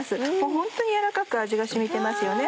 ホントに軟らかく味が染みてますよね。